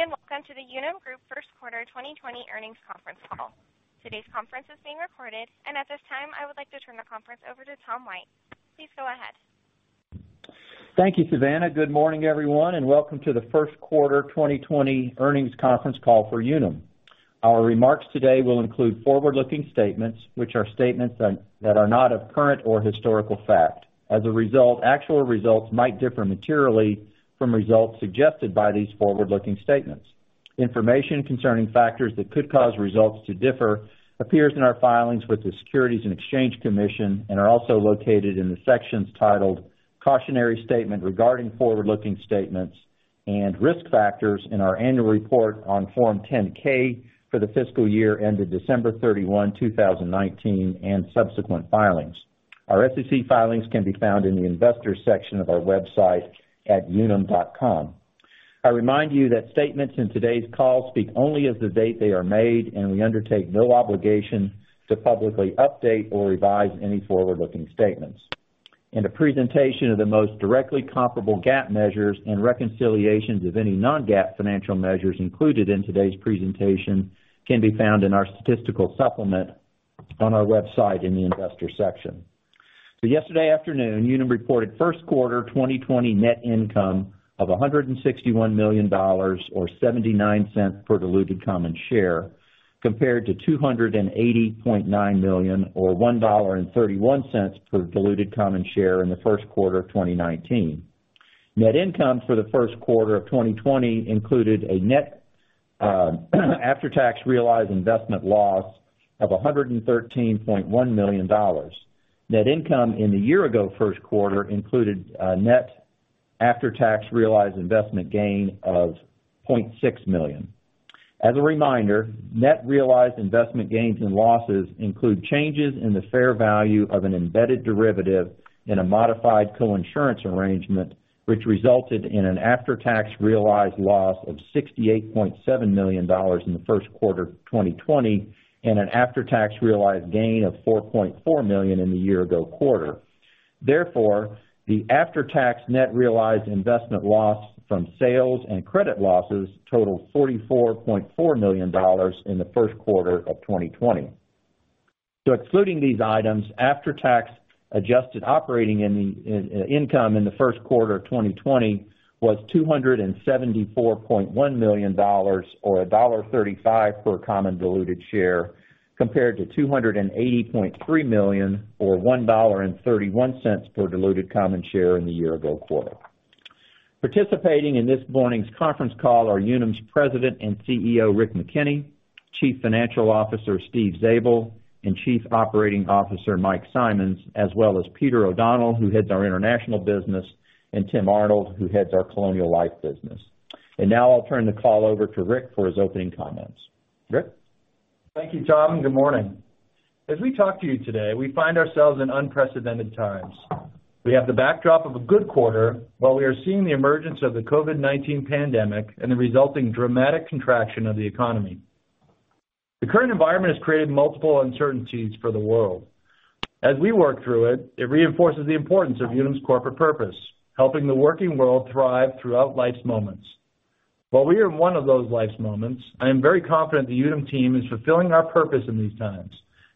Good day. Welcome to the Unum Group First Quarter 2020 Earnings Conference Call. Today's conference is being recorded. At this time, I would like to turn the conference over to Thomas White. Please go ahead. Thank you, Savannah. Good morning, everyone. Welcome to the First Quarter 2020 Earnings Conference Call for Unum. Our remarks today will include forward-looking statements, which are statements that are not of current or historical fact. As a result, actual results might differ materially from results suggested by these forward-looking statements. Information concerning factors that could cause results to differ appears in our filings with the Securities and Exchange Commission and are also located in the sections titled "Cautionary Statement Regarding Forward-Looking Statements" and "Risk Factors" in our Annual Report on Form 10-K for the fiscal year ended December 31, 2019, and subsequent filings. Our SEC filings can be found in the Investors section of our website at unum.com. I remind you that statements in today's call speak only as of the date they are made, and we undertake no obligation to publicly update or revise any forward-looking statements. A presentation of the most directly comparable GAAP measures and reconciliations of any non-GAAP financial measures included in today's presentation can be found in our statistical supplement on our website in the Investors section. Yesterday afternoon, Unum reported first quarter 2020 net income of $161 million or $0.79 per diluted common share, compared to $280.9 million or $1.31 per diluted common share in the first quarter of 2019. Net income for the first quarter of 2020 included a net, after-tax realized investment loss of $113.1 million. Net income in the year-ago first quarter included a net after-tax realized investment gain of $0.6 million. As a reminder, net realized investment gains and losses include changes in the fair value of an embedded derivative in a modified coinsurance arrangement, which resulted in an after-tax realized loss of $68.7 million in the first quarter of 2020 and an after-tax realized gain of $4.4 million in the year-ago quarter. Therefore, the after-tax net realized investment loss from sales and credit losses totaled $44.4 million in the first quarter of 2020. Excluding these items, after-tax adjusted operating income in the first quarter of 2020 was $274.1 million or $1.35 per common diluted share, compared to $280.3 million or $1.31 per diluted common share in the year-ago quarter. Participating in this morning's conference call are Unum's President and CEO, Rick McKenney, Chief Financial Officer, Steve Zabel, and Chief Operating Officer, Mike Simonds, as well as Peter O'Donnell, who heads our international business, and Tim Arnold, who heads our Colonial Life business. Now I'll turn the call over to Rick for his opening comments. Rick? Thank you, Tom, and good morning. As we talk to you today, we find ourselves in unprecedented times. We have the backdrop of a good quarter while we are seeing the emergence of the COVID-19 pandemic and the resulting dramatic contraction of the economy. The current environment has created multiple uncertainties for the world. As we work through it reinforces the importance of Unum's corporate purpose, helping the working world thrive throughout life's moments. While we are in one of those life's moments, I am very confident the Unum team is fulfilling our purpose in these times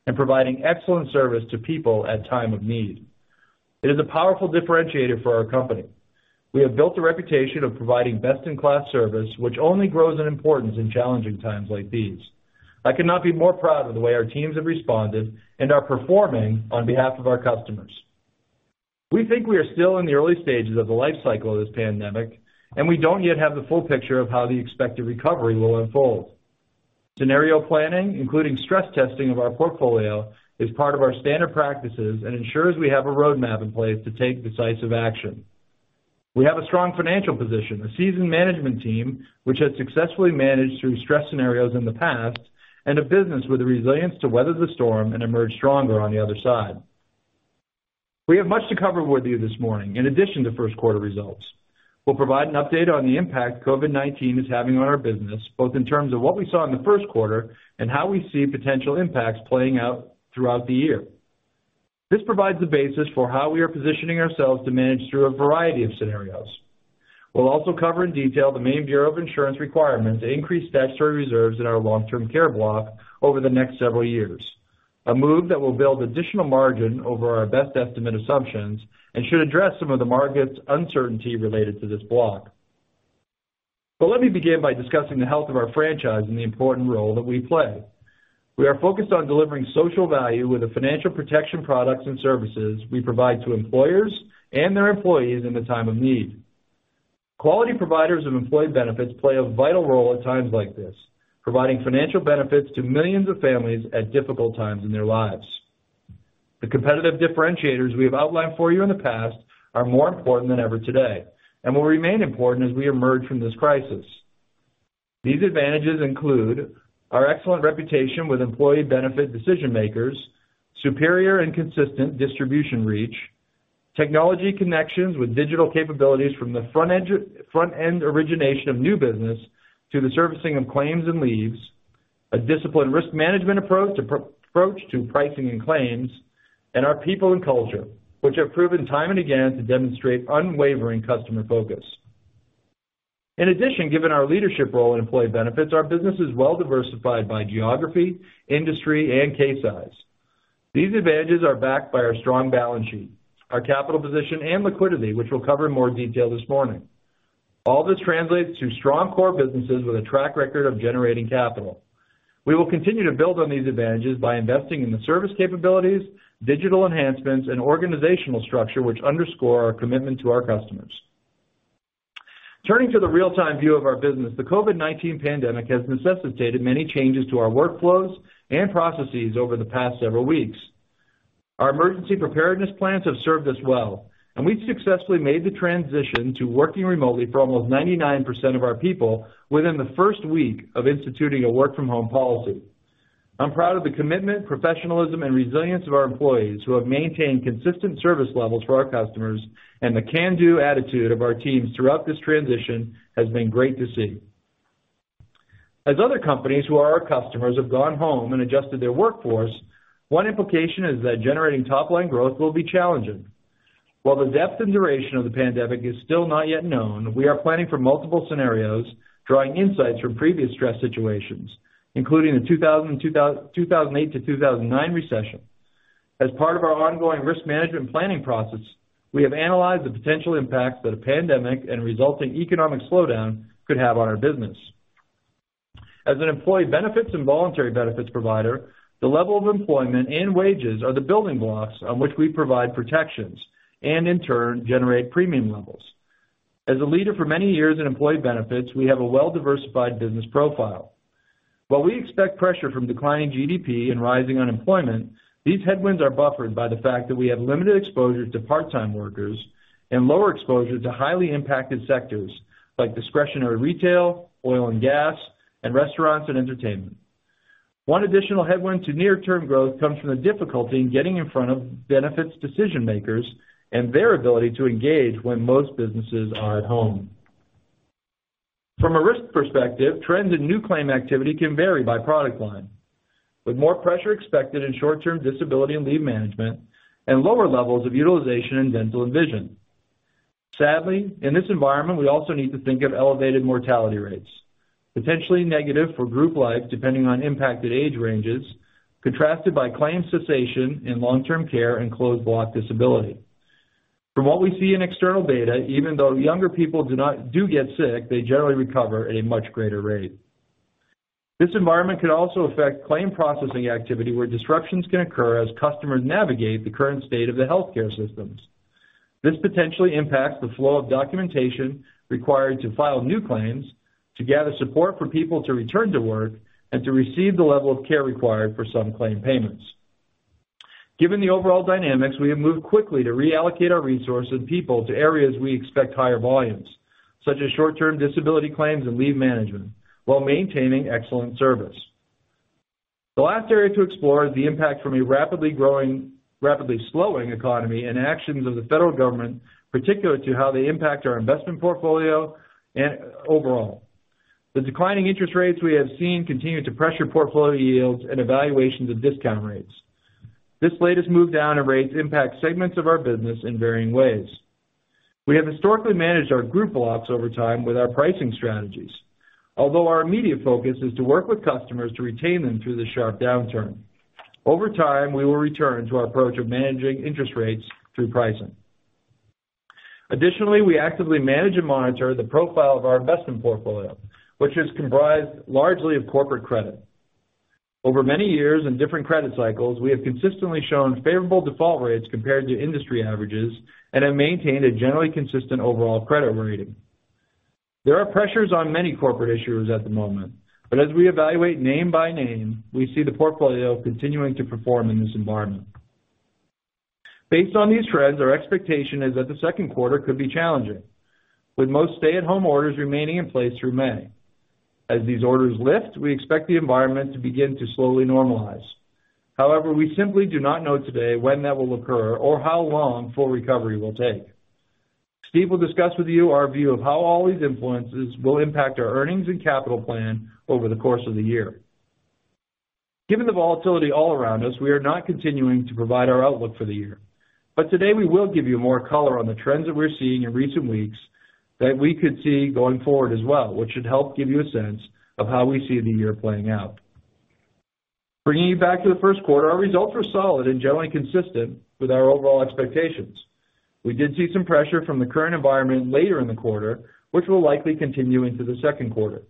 and providing excellent service to people at time of need. It is a powerful differentiator for our company. We have built a reputation of providing best-in-class service, which only grows in importance in challenging times like these. I could not be more proud of the way our teams have responded and are performing on behalf of our customers. We think we are still in the early stages of the life cycle of this pandemic, and we don't yet have the full picture of how the expected recovery will unfold. Scenario planning, including stress testing of our portfolio, is part of our standard practices and ensures we have a roadmap in place to take decisive action. We have a strong financial position, a seasoned management team which has successfully managed through stress scenarios in the past, and a business with the resilience to weather the storm and emerge stronger on the other side. We have much to cover with you this morning in addition to first quarter results. We'll provide an update on the impact COVID-19 is having on our business, both in terms of what we saw in the first quarter and how we see potential impacts playing out throughout the year. This provides the basis for how we are positioning ourselves to manage through a variety of scenarios. We'll also cover in detail the Maine Bureau of Insurance requirements to increase statutory reserves in our long-term care block over the next several years, a move that will build additional margin over our best estimate assumptions and should address some of the market's uncertainty related to this block. Let me begin by discussing the health of our franchise and the important role that we play. We are focused on delivering social value with the financial protection products and services we provide to employers and their employees in the time of need. Quality providers of employee benefits play a vital role at times like this, providing financial benefits to millions of families at difficult times in their lives. The competitive differentiators we have outlined for you in the past are more important than ever today and will remain important as we emerge from this crisis. These advantages include our excellent reputation with employee benefit decision-makers, superior and consistent distribution reach, technology connections with digital capabilities from the front-end origination of new business to the servicing of claims and leaves. A disciplined risk management approach to pricing and claims, and our people and culture, which have proven time and again to demonstrate unwavering customer focus. In addition, given our leadership role in employee benefits, our business is well-diversified by geography, industry, and case size. These advantages are backed by our strong balance sheet, our capital position, and liquidity, which we'll cover in more detail this morning. All this translates to strong core businesses with a track record of generating capital. We will continue to build on these advantages by investing in the service capabilities, digital enhancements, and organizational structure which underscore our commitment to our customers. Turning to the real-time view of our business, the COVID-19 pandemic has necessitated many changes to our workflows and processes over the past several weeks. Our emergency preparedness plans have served us well, and we've successfully made the transition to working remotely for almost 99% of our people within the first week of instituting a work-from-home policy. I'm proud of the commitment, professionalism, and resilience of our employees who have maintained consistent service levels for our customers, and the can-do attitude of our teams throughout this transition has been great to see. As other companies who are our customers have gone home and adjusted their workforce, one implication is that generating top-line growth will be challenging. While the depth and duration of the pandemic is still not yet known, we are planning for multiple scenarios, drawing insights from previous stress situations, including the 2008 to 2009 recession. As part of our ongoing risk management planning process, we have analyzed the potential impacts that a pandemic and resulting economic slowdown could have on our business. As an employee benefits and voluntary benefits provider, the level of employment and wages are the building blocks on which we provide protections, and in turn, generate premium levels. As a leader for many years in employee benefits, we have a well-diversified business profile. While we expect pressure from declining GDP and rising unemployment, these headwinds are buffered by the fact that we have limited exposure to part-time workers and lower exposure to highly impacted sectors like discretionary retail, oil and gas, and restaurants and entertainment. One additional headwind to near-term growth comes from the difficulty in getting in front of benefits decision-makers and their ability to engage when most businesses are at home. From a risk perspective, trends in new claim activity can vary by product line, with more pressure expected in short-term disability and leave management and lower levels of utilization in dental and vision. Sadly, in this environment, we also need to think of elevated mortality rates, potentially negative for group life depending on impacted age ranges, contrasted by claims cessation in long-term care and closed block disability. From what we see in external data, even though younger people do get sick, they generally recover at a much greater rate. This environment could also affect claim processing activity, where disruptions can occur as customers navigate the current state of the healthcare systems. This potentially impacts the flow of documentation required to file new claims, to gather support for people to return to work, and to receive the level of care required for some claim payments. Given the overall dynamics, we have moved quickly to reallocate our resources and people to areas we expect higher volumes, such as short-term disability claims and leave management, while maintaining excellent service. The last area to explore is the impact from a rapidly slowing economy and actions of the federal government particular to how they impact our investment portfolio overall. The declining interest rates we have seen continue to pressure portfolio yields and evaluations of discount rates. This latest move down in rates impacts segments of our business in varying ways. We have historically managed our group blocks over time with our pricing strategies. Our immediate focus is to work with customers to retain them through this sharp downturn. Over time, we will return to our approach of managing interest rates through pricing. Additionally, we actively manage and monitor the profile of our investment portfolio, which is comprised largely of corporate credit. Over many years and different credit cycles, we have consistently shown favorable default rates compared to industry averages and have maintained a generally consistent overall credit rating. There are pressures on many corporate issuers at the moment, as we evaluate name by name, we see the portfolio continuing to perform in this environment. Based on these trends, our expectation is that the second quarter could be challenging, with most stay-at-home orders remaining in place through May. As these orders lift, we expect the environment to begin to slowly normalize. We simply do not know today when that will occur or how long full recovery will take. Steve will discuss with you our view of how all these influences will impact our earnings and capital plan over the course of the year. Given the volatility all around us, we are not continuing to provide our outlook for the year. Today we will give you more color on the trends that we're seeing in recent weeks that we could see going forward as well, which should help give you a sense of how we see the year playing out. Bringing you back to the first quarter, our results were solid and generally consistent with our overall expectations. We did see some pressure from the current environment later in the quarter, which will likely continue into the second quarter.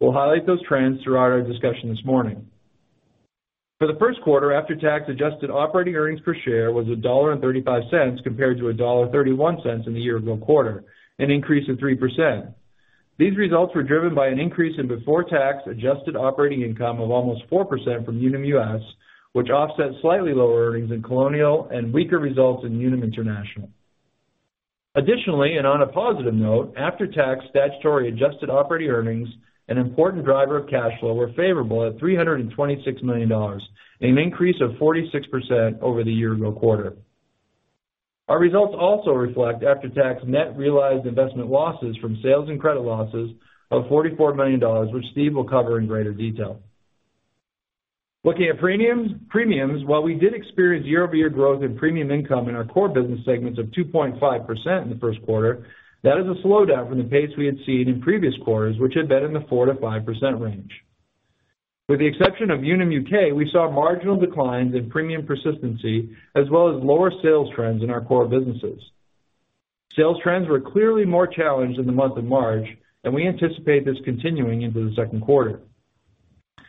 We'll highlight those trends throughout our discussion this morning. For the first quarter, after-tax adjusted operating earnings per share was $1.35 compared to $1.31 in the year-ago quarter, an increase of 3%. These results were driven by an increase in before-tax adjusted operating income of almost 4% from Unum US, which offset slightly lower earnings in Colonial and weaker results in Unum International. Additionally, on a positive note, after-tax statutory adjusted operating earnings, an important driver of cash flow, were favorable at $326 million, an increase of 46% over the year-ago quarter. Our results also reflect after-tax net realized investment losses from sales and credit losses of $44 million, which Steve will cover in greater detail. Looking at premiums, while we did experience year-over-year growth in premium income in our core business segments of 2.5% in the first quarter, that is a slowdown from the pace we had seen in previous quarters, which had been in the 4%-5% range. With the exception of Unum UK, we saw marginal declines in premium persistency, as well as lower sales trends in our core businesses. Sales trends were clearly more challenged in the month of March, and we anticipate this continuing into the second quarter.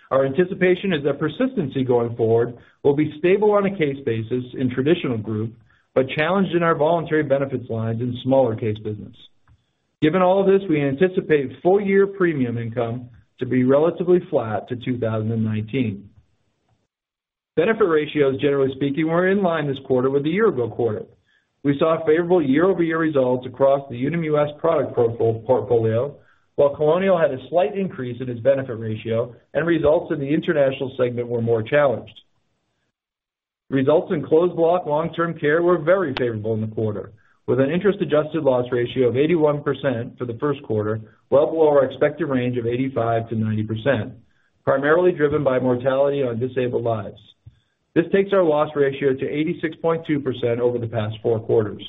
Our anticipation is that persistency going forward will be stable on a case basis in traditional group, but challenged in our voluntary benefits lines in smaller case business. Given all of this, we anticipate full-year premium income to be relatively flat to 2019. Benefit ratios, generally speaking, were in line this quarter with a year ago quarter. We saw favorable year-over-year results across the Unum US product portfolio, while Colonial had a slight increase in its benefit ratio and results in the international segment were more challenged. Results in closed block long-term care were very favorable in the quarter, with an interest-adjusted loss ratio of 81% for the first quarter, well below our expected range of 85%-90%, primarily driven by mortality on disabled lives. This takes our loss ratio to 86.2% over the past four quarters.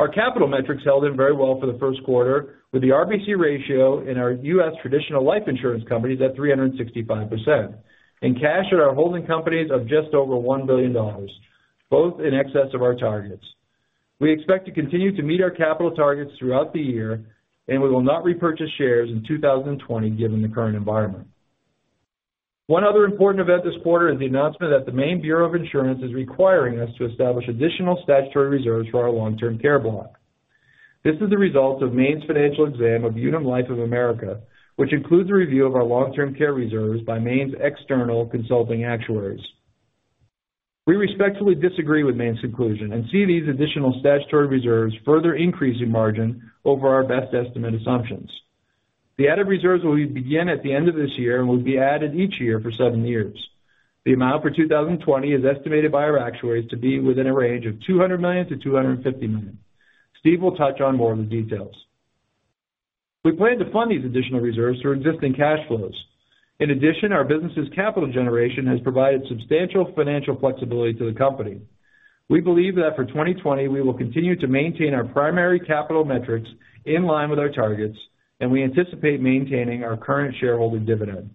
Our capital metrics held in very well for the first quarter with the RBC ratio in our U.S. traditional life insurance companies at 365%, and cash at our holding companies of just over $1 billion, both in excess of our targets. We expect to continue to meet our capital targets throughout the year, and we will not repurchase shares in 2020 given the current environment. One other important event this quarter is the announcement that the Maine Bureau of Insurance is requiring us to establish additional statutory reserves for our long-term care block. This is a result of Maine's financial exam of Unum Life of America, which includes a review of our long-term care reserves by Maine's external consulting actuaries. We respectfully disagree with Maine's conclusion and see these additional statutory reserves further increasing margin over our best estimate assumptions. The added reserves will begin at the end of this year and will be added each year for seven years. The amount for 2020 is estimated by our actuaries to be within a range of $200 million-$250 million. Steve will touch on more of the details. We plan to fund these additional reserves through existing cash flows. Our business' capital generation has provided substantial financial flexibility to the company. We believe that for 2020, we will continue to maintain our primary capital metrics in line with our targets, and we anticipate maintaining our current shareholder dividend.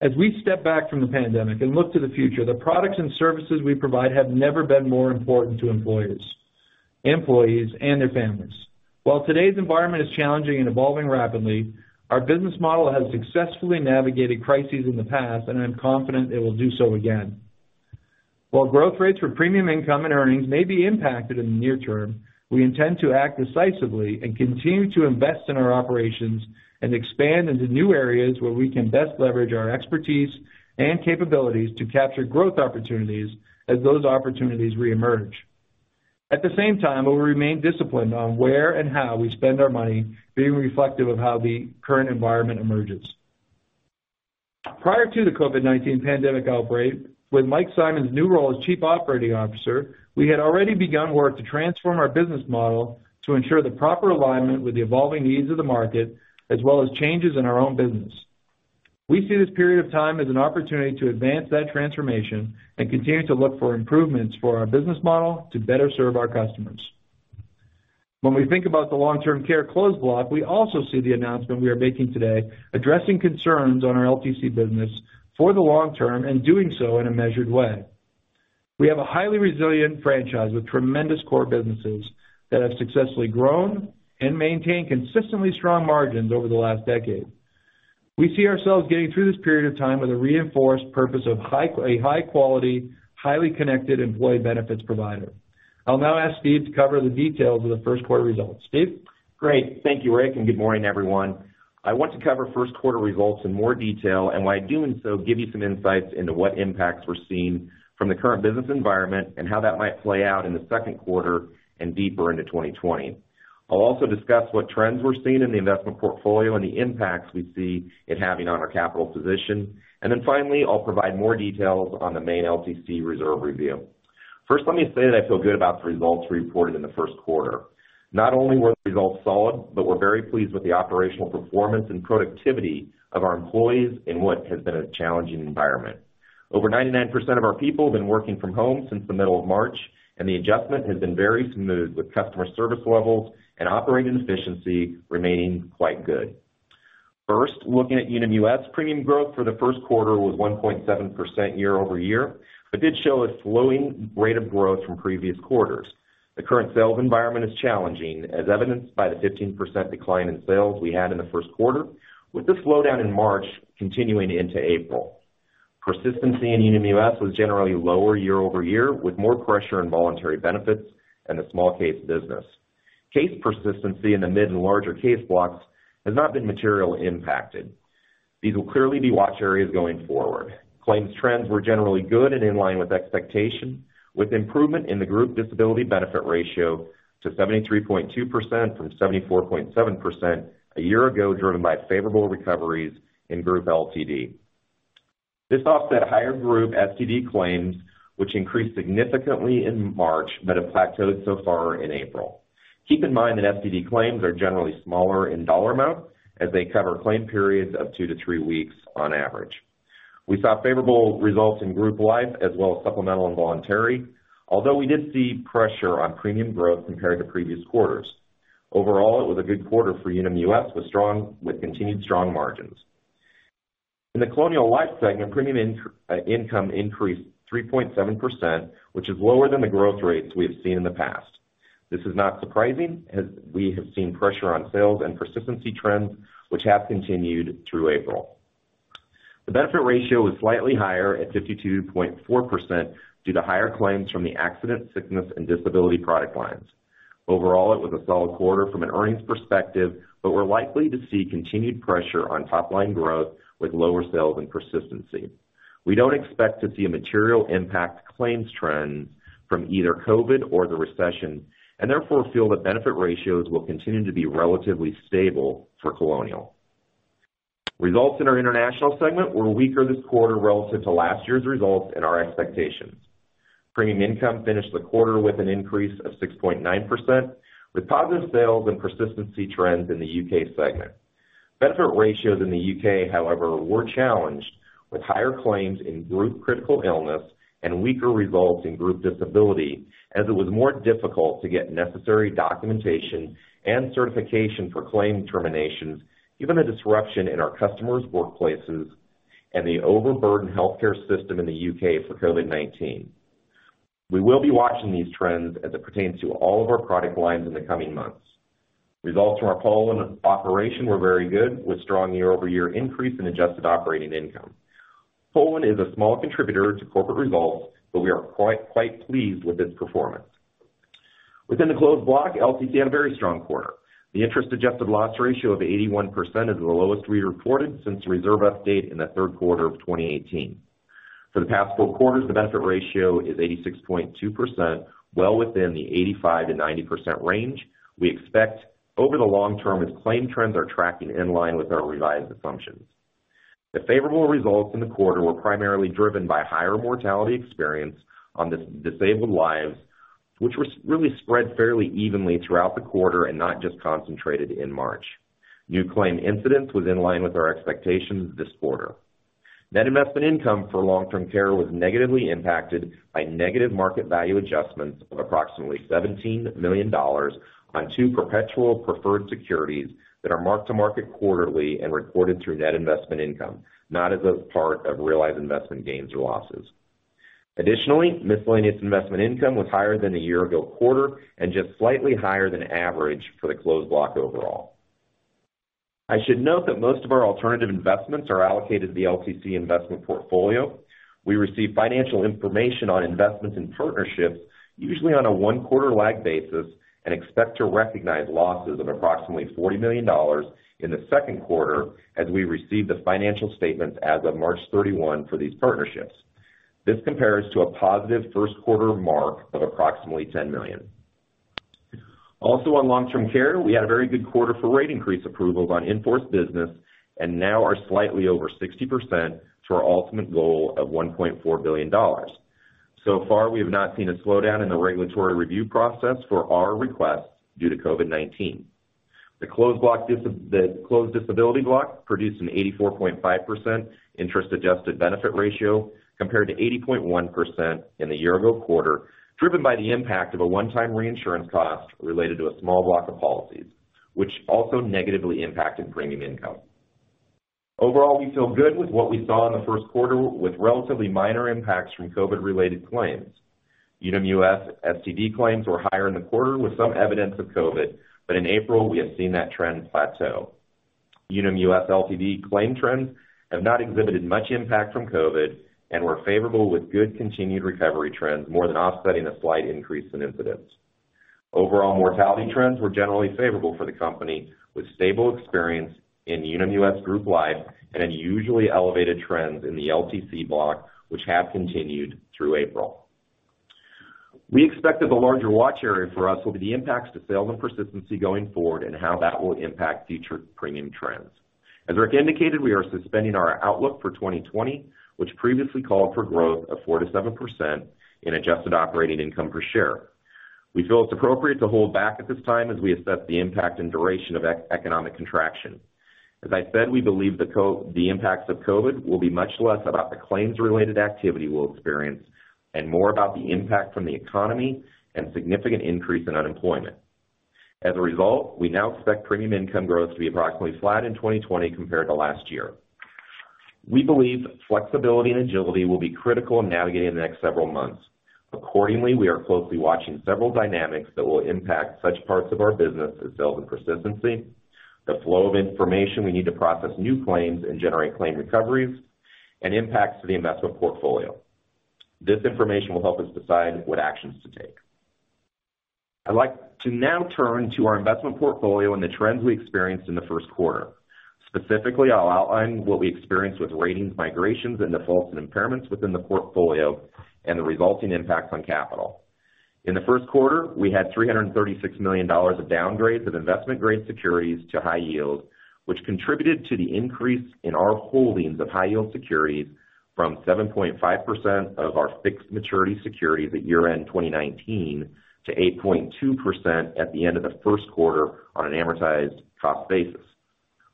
As we step back from the pandemic and look to the future, the products and services we provide have never been more important to employers, employees, and their families. While today's environment is challenging and evolving rapidly, our business model has successfully navigated crises in the past, I'm confident it will do so again. While growth rates for premium income and earnings may be impacted in the near term, we intend to act decisively and continue to invest in our operations and expand into new areas where we can best leverage our expertise and capabilities to capture growth opportunities as those opportunities reemerge. At the same time, we'll remain disciplined on where and how we spend our money being reflective of how the current environment emerges. Prior to the COVID-19 pandemic outbreak, with Mike Simonds' new role as Chief Operating Officer, we had already begun work to transform our business model to ensure the proper alignment with the evolving needs of the market as well as changes in our own business. We see this period of time as an opportunity to advance that transformation and continue to look for improvements for our business model to better serve our customers. When we think about the long-term care closed block, we also see the announcement we are making today addressing concerns on our LTC business for the long term and doing so in a measured way. We have a highly resilient franchise with tremendous core businesses that have successfully grown and maintained consistently strong margins over the last decade. We see ourselves getting through this period of time with a reinforced purpose of a high-quality, highly connected employee benefits provider. I'll now ask Steve to cover the details of the first quarter results. Steve? Great. Thank you, Rick, good morning, everyone. I want to cover first quarter results in more detail, while doing so, give you some insights into what impacts we're seeing from the current business environment and how that might play out in the second quarter and deeper into 2020. I'll also discuss what trends we're seeing in the investment portfolio and the impacts we see it having on our capital position. Finally, I'll provide more details on the Maine LTC reserve review. First, let me say that I feel good about the results reported in the first quarter. Not only were the results solid, but we're very pleased with the operational performance and productivity of our employees in what has been a challenging environment. Over 99% of our people have been working from home since the middle of March, the adjustment has been very smooth with customer service levels and operating efficiency remaining quite good. First, looking at Unum US premium growth for the first quarter was 1.7% year-over-year, did show a slowing rate of growth from previous quarters. The current sales environment is challenging, as evidenced by the 15% decline in sales we had in the first quarter, with the slowdown in March continuing into April. Persistency in Unum US was generally lower year-over-year, with more pressure in Voluntary Benefits and the small case business. Case persistency in the mid and larger case blocks has not been materially impacted. These will clearly be watch areas going forward. Claims trends were generally good and in line with expectation, with improvement in the group disability benefit ratio to 73.2% from 74.7% a year ago, driven by favorable recoveries in group LTD. This offset higher group STD claims, which increased significantly in March, but have plateaued so far in April. Keep in mind that STD claims are generally smaller in dollar amount, as they cover claim periods of two to three weeks on average. We saw favorable results in group life as well as supplemental and voluntary, although we did see pressure on premium growth compared to previous quarters. Overall, it was a good quarter for Unum US, with continued strong margins. In the Colonial Life segment, premium income increased 3.7%, which is lower than the growth rates we have seen in the past. This is not surprising, as we have seen pressure on sales and persistency trends, which have continued through April. The benefit ratio was slightly higher at 52.4% due to higher claims from the accident, sickness, and disability product lines. Overall, it was a solid quarter from an earnings perspective. We're likely to see continued pressure on top-line growth with lower sales and persistency. We don't expect to see a material impact claims trends from either COVID or the recession. Therefore feel that benefit ratios will continue to be relatively stable for Colonial. Results in our international segment were weaker this quarter relative to last year's results and our expectations. Premium income finished the quarter with an increase of 6.9%, with positive sales and persistency trends in the U.K. segment. Benefit ratios in the U.K., however, were challenged, with higher claims in group critical illness and weaker results in group disability, as it was more difficult to get necessary documentation and certification for claim terminations given the disruption in our customers' workplaces and the overburdened healthcare system in the U.K. for COVID-19. We will be watching these trends as it pertains to all of our product lines in the coming months. Results from our Poland operation were very good, with strong year-over-year increase in adjusted operating income. Poland is a small contributor to corporate results. We are quite pleased with its performance. Within the closed block, LTC had a very strong quarter. The interest-adjusted loss ratio of 81% is the lowest we reported since the reserve update in the third quarter of 2018. For the past four quarters, the benefit ratio is 86.2%, well within the 85%-90% range we expect over the long term as claim trends are tracking in line with our revised assumptions. The favorable results in the quarter were primarily driven by higher mortality experience on disabled lives, which was really spread fairly evenly throughout the quarter and not just concentrated in March. New claim incidence was in line with our expectations this quarter. Net investment income for long-term care was negatively impacted by negative market value adjustments of approximately $17 million on two perpetual preferred securities that are marked to market quarterly and reported through net investment income, not as a part of realized investment gains or losses. Additionally, miscellaneous investment income was higher than the year-ago quarter and just slightly higher than average for the closed block overall. I should note that most of our alternative investments are allocated to the LTC investment portfolio. We receive financial information on investments in partnerships usually on a one-quarter lag basis and expect to recognize losses of approximately $40 million in the second quarter as we receive the financial statements as of March 31 for these partnerships. This compares to a positive first quarter mark of approximately $10 million. Also on long-term care, we had a very good quarter for rate increase approvals on in-force business and now are slightly over 60% to our ultimate goal of $1.4 billion. So far, we have not seen a slowdown in the regulatory review process for our requests due to COVID-19. The closed disability block produced an 84.5% interest-adjusted benefit ratio compared to 80.1% in the year-ago quarter, driven by the impact of a one-time reinsurance cost related to a small block of policies, which also negatively impacted premium income. Overall, we feel good with what we saw in the first quarter with relatively minor impacts from COVID-related claims. Unum US STD claims were higher in the quarter with some evidence of COVID, in April, we have seen that trend plateau. Unum US LTD claim trends have not exhibited much impact from COVID and were favorable with good continued recovery trends, more than offsetting a slight increase in incidence. Overall mortality trends were generally favorable for the company, with stable experience in Unum US Group Life and unusually elevated trends in the LTC block, which have continued through April. We expect that the larger watch area for us will be the impacts to sales and persistency going forward and how that will impact future premium trends. As Rick indicated, we are suspending our outlook for 2020, which previously called for growth of 4% to 7% in adjusted operating income per share. We feel it's appropriate to hold back at this time as we assess the impact and duration of economic contraction. As I said, we believe the impacts of COVID will be much less about the claims-related activity we'll experience and more about the impact from the economy and significant increase in unemployment. As a result, we now expect premium income growth to be approximately flat in 2020 compared to last year. We believe flexibility and agility will be critical in navigating the next several months. Accordingly, we are closely watching several dynamics that will impact such parts of our business as sales and persistency, the flow of information we need to process new claims and generate claim recoveries, and impacts to the investment portfolio. This information will help us decide what actions to take. I'd like to now turn to our investment portfolio and the trends we experienced in the first quarter. Specifically, I'll outline what we experienced with ratings migrations and defaults and impairments within the portfolio and the resulting impacts on capital. In the first quarter, we had $336 million of downgrades of investment-grade securities to high yield, which contributed to the increase in our holdings of high-yield securities from 7.5% of our fixed maturity securities at year-end 2019 to 8.2% at the end of the first quarter on an amortized cost basis.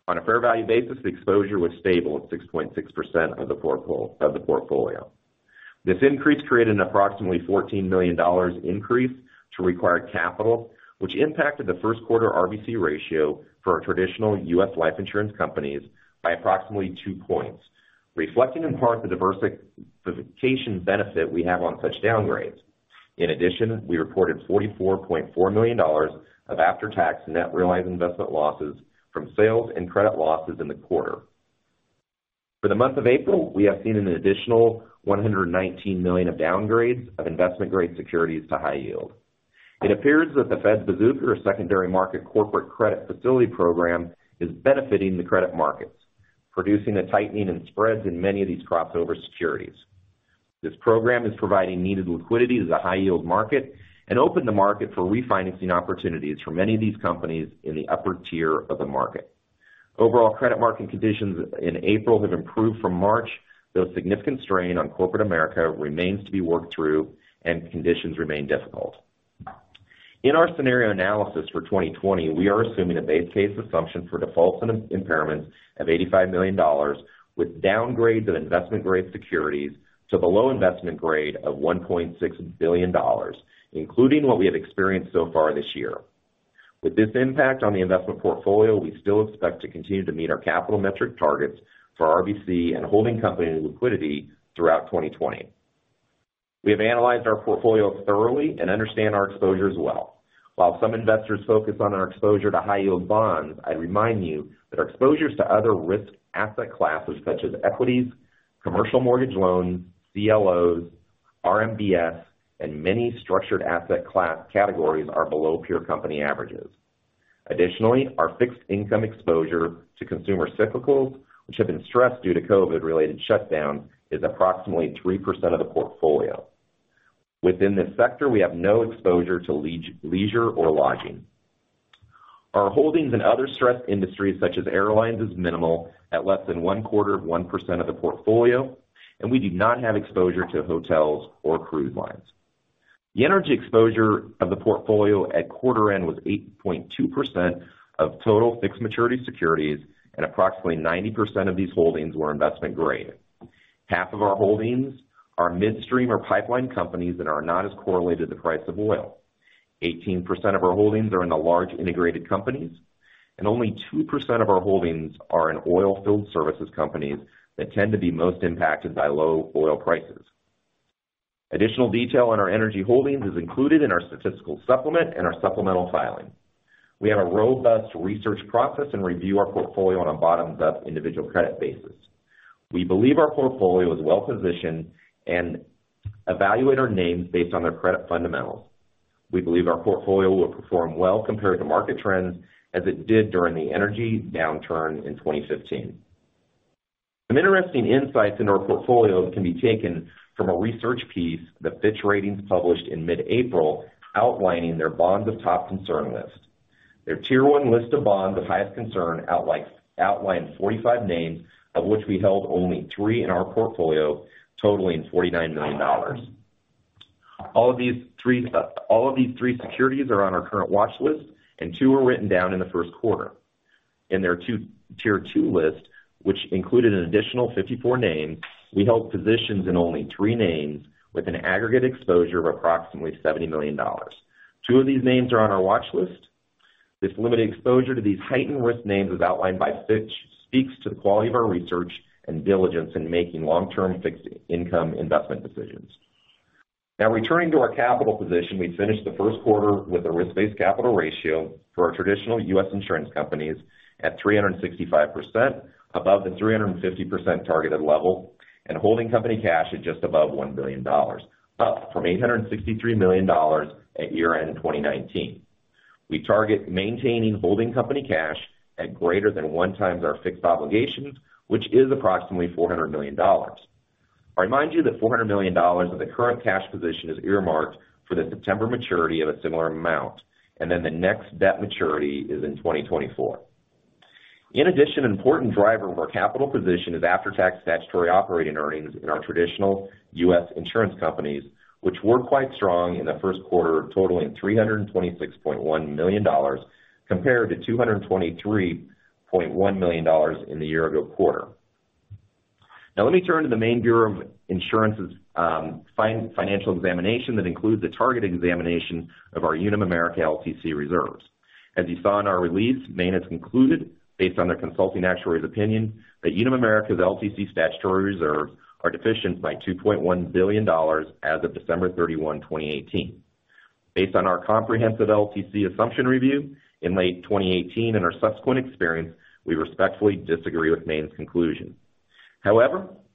On a fair value basis, the exposure was stable at 6.6% of the portfolio. This increase created an approximately $14 million increase to required capital, which impacted the first quarter RBC ratio for our traditional U.S. life insurance companies by approximately two points, reflecting in part the diversification benefit we have on such downgrades. In addition, we reported $44.4 million of after-tax net realized investment losses from sales and credit losses in the quarter. For the month of April, we have seen an additional $119 million of downgrades of investment-grade securities to high yield. It appears that the Fed's Bazooka or Secondary Market Corporate Credit Facility program is benefiting the credit markets, producing a tightening in spreads in many of these crossover securities. This program is providing needed liquidity to the high-yield market and opened the market for refinancing opportunities for many of these companies in the upper tier of the market. Overall credit market conditions in April have improved from March, though significant strain on corporate America remains to be worked through and conditions remain difficult. In our scenario analysis for 2020, we are assuming a base case assumption for defaults and impairments of $85 million, with downgrades of investment-grade securities to below investment-grade of $1.6 billion, including what we have experienced so far this year. With this impact on the investment portfolio, we still expect to continue to meet our capital metric targets for RBC and holding company liquidity throughout 2020. We have analyzed our portfolio thoroughly and understand our exposures well. While some investors focus on our exposure to high-yield bonds, I'd remind you that our exposures to other risk asset classes such as equities, commercial mortgage loans, CLOs, RMBS, and many structured asset categories are below peer company averages. Additionally, our fixed income exposure to consumer cyclicals, which have been stressed due to COVID-related shutdowns, is approximately 3% of the portfolio. Within this sector, we have no exposure to leisure or lodging. Our holdings in other stressed industries such as airlines is minimal at less than one-quarter of 1% of the portfolio, and we do not have exposure to hotels or cruise lines. The energy exposure of the portfolio at quarter end was 8.2% of total fixed maturity securities, and approximately 90% of these holdings were investment grade. Half of our holdings are midstream or pipeline companies that are not as correlated to the price of oil. 18% of our holdings are in the large integrated companies, and only 2% of our holdings are in oilfield services companies that tend to be most impacted by low oil prices. Additional detail on our energy holdings is included in our statistical supplement and our supplemental filing. We have a robust research process and review our portfolio on a bottoms-up individual credit basis. We believe our portfolio is well-positioned and evaluate our names based on their credit fundamentals. We believe our portfolio will perform well compared to market trends as it did during the energy downturn in 2015. Some interesting insights into our portfolios can be taken from a research piece that Fitch Ratings published in mid-April outlining their bonds of top concern list. Their tier 1 list of bonds of highest concern outlined 45 names, of which we held only three in our portfolio, totaling $49 million. All of these three securities are on our current watch list, and two were written down in the first quarter. In their tier 2 list, which included an additional 54 names, we held positions in only three names with an aggregate exposure of approximately $70 million. Two of these names are on our watch list. This limited exposure to these heightened-risk names, as outlined by Fitch, speaks to the quality of our research and diligence in making long-term fixed income investment decisions. Returning to our capital position, we finished the first quarter with a risk-based capital ratio for our traditional U.S. insurance companies at 365%, above the 350% targeted level, and holding company cash at just above $1 billion, up from $863 million at year-end 2019. We target maintaining holding company cash at greater than one times our fixed obligations, which is approximately $400 million. I remind you that $400 million of the current cash position is earmarked for the September maturity of a similar amount. The next debt maturity is in 2024. In addition, an important driver of our capital position is after-tax statutory operating earnings in our traditional U.S. insurance companies, which were quite strong in the first quarter, totaling $326.1 million compared to $223.1 million in the year-ago quarter. Let me turn to the Maine Bureau of Insurance's financial examination that includes a target examination of our Unum America LTC reserves. As you saw in our release, Maine has concluded, based on their consulting actuary's opinion, that Unum America's LTC statutory reserves are deficient by $2.1 billion as of December 31, 2018. Based on our comprehensive LTC assumption review in late 2018 and our subsequent experience, we respectfully disagree with Maine's conclusion.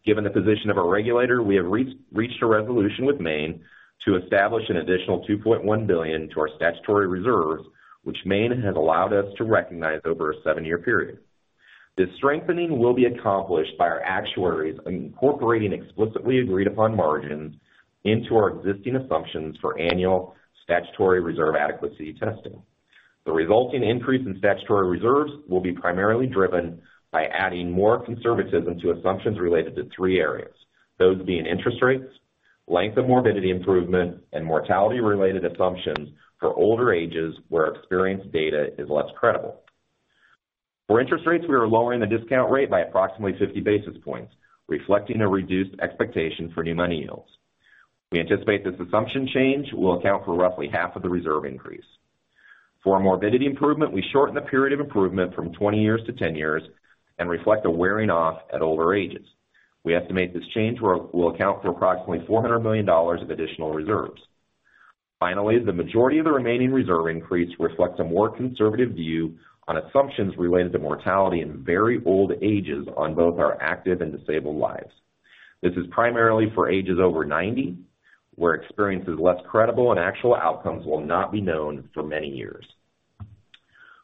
Given the position of our regulator, we have reached a resolution with Maine to establish an additional $2.1 billion to our statutory reserves, which Maine has allowed us to recognize over a seven-year period. This strengthening will be accomplished by our actuaries incorporating explicitly agreed-upon margins into our existing assumptions for annual statutory reserve adequacy testing. The resulting increase in statutory reserves will be primarily driven by adding more conservatism to assumptions related to three areas. Those being interest rates, length of morbidity improvement, and mortality-related assumptions for older ages where experience data is less credible. For interest rates, we are lowering the discount rate by approximately 50 basis points, reflecting a reduced expectation for new money yields. We anticipate this assumption change will account for roughly half of the reserve increase. For morbidity improvement, we shorten the period of improvement from 20 years to 10 years and reflect a wearing off at older ages. We estimate this change will account for approximately $400 million of additional reserves. The majority of the remaining reserve increase reflects a more conservative view on assumptions related to mortality in very old ages on both our active and disabled lives. This is primarily for ages over 90, where experience is less credible, and actual outcomes will not be known for many years.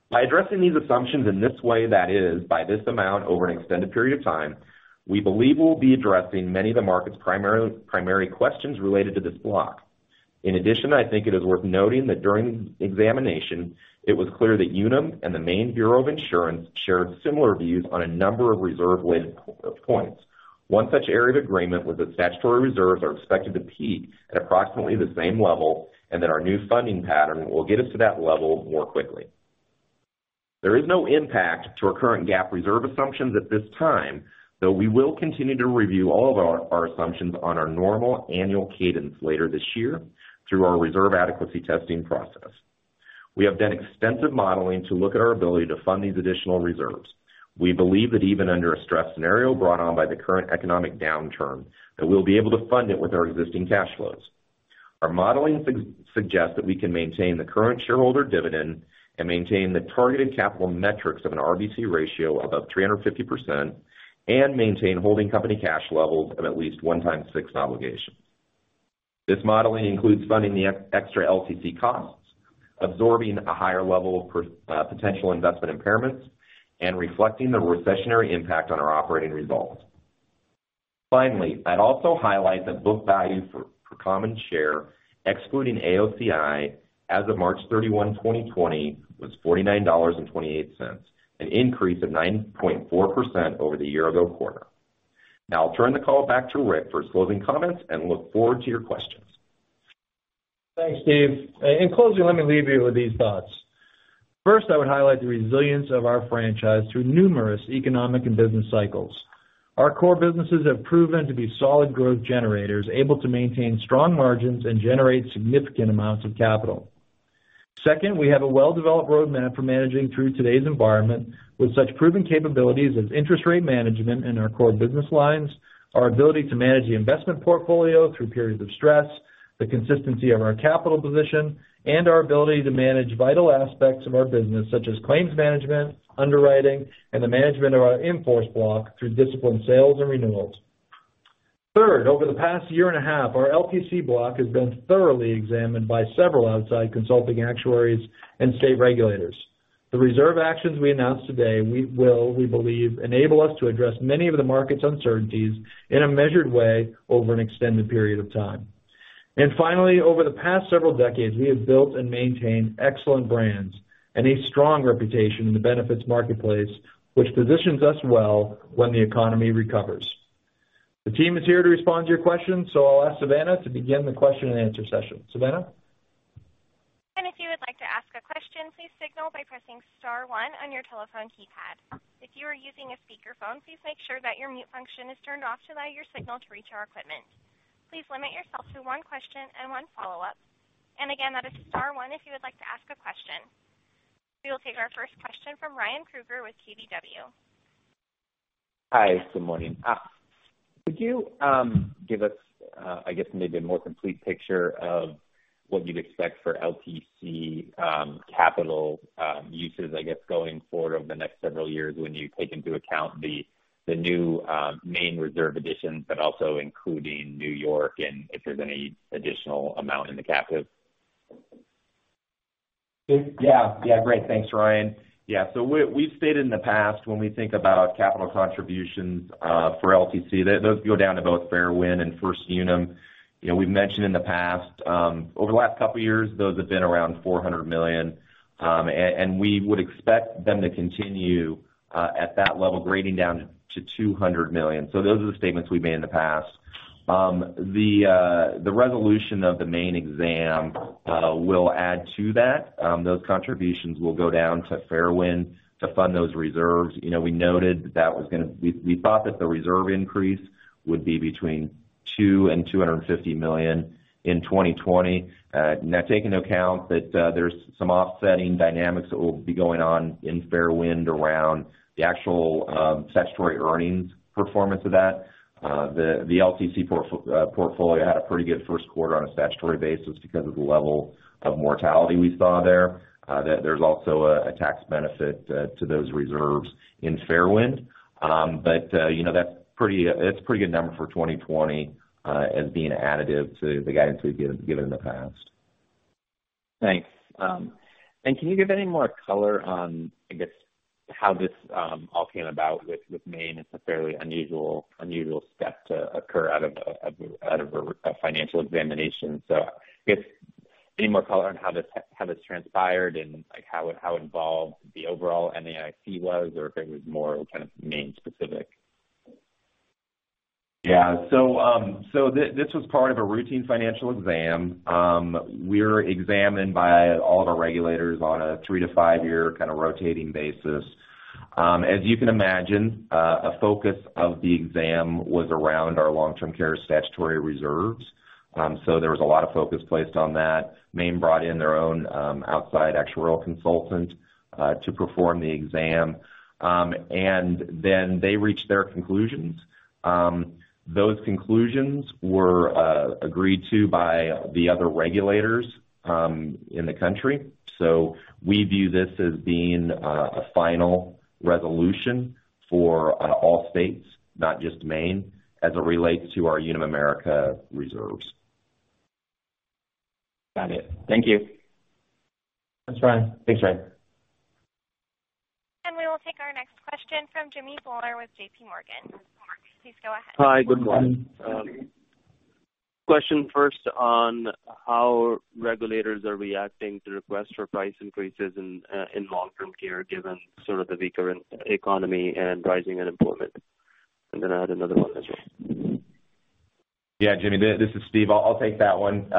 By addressing these assumptions in this way, that is, by this amount over an extended period of time, we believe we'll be addressing many of the market's primary questions related to this block. In addition, I think it is worth noting that during the examination, it was clear that Unum and the Maine Bureau of Insurance shared similar views on a number of reserve-related points. One such area of agreement was that statutory reserves are expected to peak at approximately the same level, and that our new funding pattern will get us to that level more quickly. There is no impact to our current GAAP reserve assumptions at this time, though we will continue to review all of our assumptions on our normal annual cadence later this year through our reserve adequacy testing process. We have done extensive modeling to look at our ability to fund these additional reserves. We believe that even under a stress scenario brought on by the current economic downturn, that we'll be able to fund it with our existing cash flows. Our modeling suggests that we can maintain the current shareholder dividend and maintain the targeted capital metrics of an RBC ratio above 350% and maintain holding company cash levels of at least one times fixed obligations. This modeling includes funding the extra LTC costs, absorbing a higher level of potential investment impairments, and reflecting the recessionary impact on our operating results. Finally, I'd also highlight that book value for common share, excluding AOCI, as of March 31, 2020, was $49.28, an increase of 9.4% over the year-ago quarter. I'll turn the call back to Rick for his closing comments and look forward to your questions. Thanks, Steve. In closing, let me leave you with these thoughts. First, I would highlight the resilience of our franchise through numerous economic and business cycles. Our core businesses have proven to be solid growth generators, able to maintain strong margins and generate significant amounts of capital. Second, we have a well-developed roadmap for managing through today's environment with such proven capabilities as interest rate management in our core business lines, our ability to manage the investment portfolio through periods of stress, the consistency of our capital position, and our ability to manage vital aspects of our business, such as claims management, underwriting, and the management of our in-force block through disciplined sales and renewals. Third, over the past year and a half, our LTC block has been thoroughly examined by several outside consulting actuaries and state regulators. The reserve actions we announced today will, we believe, enable us to address many of the market's uncertainties in a measured way over an extended period of time. Finally, over the past several decades, we have built and maintained excellent brands and a strong reputation in the benefits marketplace, which positions us well when the economy recovers. The team is here to respond to your questions, so I'll ask Savannah to begin the question and answer session. Savannah? If you would like to ask a question, please signal by pressing star one on your telephone keypad. If you are using a speakerphone, please make sure that your mute function is turned off to allow your signal to reach our equipment. Please limit yourself to one question and one follow-up. Again, that is star one if you would like to ask a question. We will take our first question from Ryan Krueger with KBW. Hi. Good morning. Could you give us maybe a more complete picture of what you'd expect for LTC capital uses, I guess, going forward over the next several years when you take into account the new Maine reserve additions, but also including New York and if there's any additional amount in the captive? Great. Thanks, Ryan. We've stated in the past when we think about capital contributions for LTC, those go down to both Fairwind and First Unum. We've mentioned in the past, over the last couple of years, those have been around $400 million, and we would expect them to continue at that level, grading down to $200 million. Those are the statements we've made in the past. The resolution of the Maine exam will add to that. Those contributions will go down to Fairwind to fund those reserves. We thought that the reserve increase would be between $200 million and $250 million in 2020. Take into account that there's some offsetting dynamics that will be going on in Fairwind around the actual statutory earnings performance of that. The LTC portfolio had a pretty good first quarter on a statutory basis because of the level of mortality we saw there. There's also a tax benefit to those reserves in Fairwind. That's a pretty good number for 2020 as being additive to the guidance we've given in the past. Can you give any more color on, I guess, how this all came about with Maine? It's a fairly unusual step to occur out of a financial examination. I guess any more color on how this transpired and how involved the overall NAIC was, or if it was more kind of Maine specific? Yeah. This was part of a routine financial exam. We're examined by all of our regulators on a three to five-year kind of rotating basis. As you can imagine, a focus of the exam was around our long-term care statutory reserves. There was a lot of focus placed on that. Maine brought in their own outside actuarial consultant to perform the exam. They reached their conclusions. Those conclusions were agreed to by the other regulators in the country. We view this as being a final resolution for all states, not just Maine, as it relates to our Unum America reserves. Got it. Thank you. Thanks, Ryan. We will take our next question from Jimmy Bhullar with J.P. Morgan. Please go ahead. Hi. Good morning. Question first on how regulators are reacting to requests for price increases in long-term care given sort of the weaker economy and rising unemployment. I'm going to add another one as well. Jimmy, this is Steve. I'll take that one.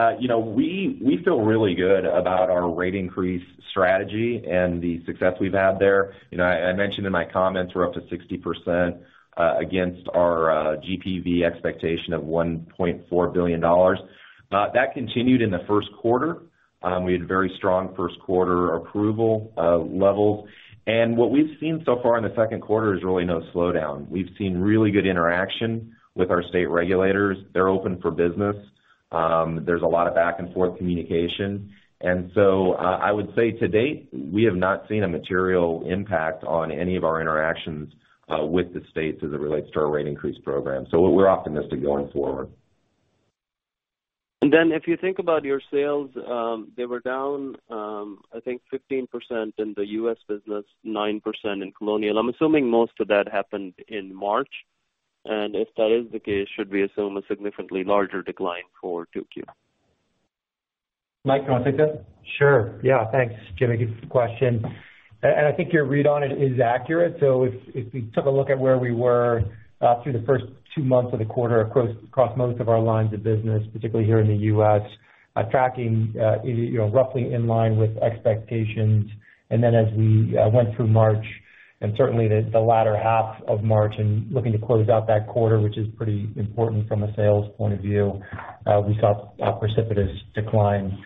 We feel really good about our rate increase strategy and the success we've had there. I mentioned in my comments we're up to 60% against our GPV expectation of $1.4 billion. That continued in the first quarter. We had very strong first-quarter approval levels. What we've seen so far in the second quarter is really no slowdown. We've seen really good interaction with our state regulators. They're open for business. There's a lot of back-and-forth communication. I would say to date, we have not seen a material impact on any of our interactions with the states as it relates to our rate increase program. We're optimistic going forward. If you think about your sales, they were down, I think 15% in the U.S. business, 9% in Colonial. I'm assuming most of that happened in March. If that is the case, should we assume a significantly larger decline for 2Q? Mike, you want to take that? Sure. Yeah. Thanks, Jimmy, good question. I think your read on it is accurate. If we took a look at where we were through the first two months of the quarter across most of our lines of business, particularly here in the U.S., tracking roughly in line with expectations. As we went through March, and certainly the latter half of March and looking to close out that quarter, which is pretty important from a sales point of view, we saw a precipitous decline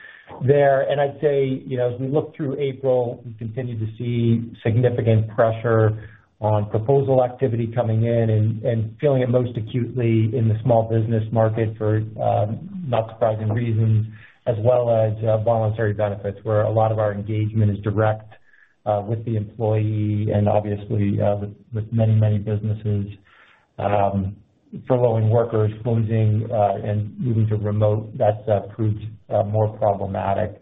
there. I'd say, as we look through April, we continue to see significant pressure on proposal activity coming in and feeling it most acutely in the small business market for not surprising reasons, as well as Voluntary Benefits, where a lot of our engagement is direct with the employee and obviously with many businesses, furloughing workers, closing and moving to remote, that's proved more problematic.